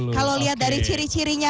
kalau lihat dari ciri cirinya